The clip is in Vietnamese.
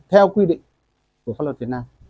theo quy định của pháp luật việt nam